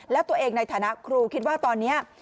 แล้วตัวเองในฐานะครูคิดว่าตอนนี้